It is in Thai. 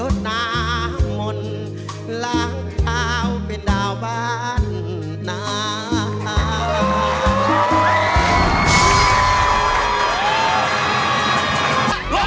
ท่าคุณผีวอวย